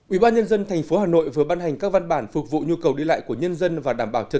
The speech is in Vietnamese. ubnd tp hà nội vừa ban hành các văn bản phục vụ nhu cầu đi lại của nhân dân và đảm bảo trật tự